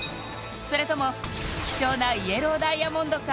それとも希少なイエローダイヤモンドか？